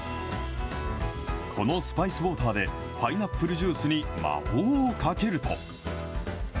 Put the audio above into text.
このスパイスウォーターでパイナップルジュースに魔法をかけると。